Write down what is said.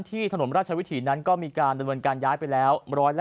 ที่ถนวรรชวิถีนั้นก็มีการปะดนวนย้ายไปแล้ว๑๗๐